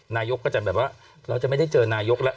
นายกก็จะแบบว่าเราจะไม่ได้เจอนายกแล้ว